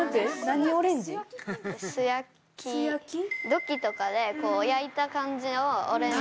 土器とか焼いた感じのオレンジ。